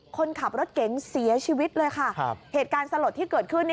คนขับรถเก๋งเสียชีวิตเลยค่ะเหตุการณ์สลดที่เกิดขึ้น